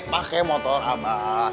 pakai motor abah